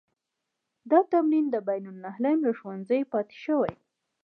دا تمرین د بین النهرین له ښوونځي پاتې دی.